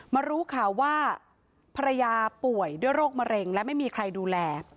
รู้ข่าวว่าภรรยาป่วยด้วยโรคมะเร็งและไม่มีใครดูแล